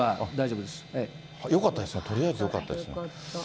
よかったですね、とりあえずよかったです。